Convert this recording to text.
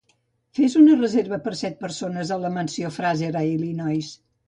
Fes una reserva per a set persones a la Mansió Fraser a Illinois